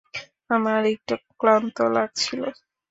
আমার একটু ক্লান্ত লাগছিল।